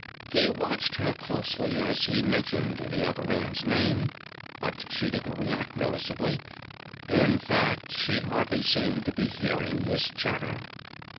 He watched her closely as he mentioned the other man's name, but she didn't react noticeably. In fact, she hardly seemed to be hearing his chatter.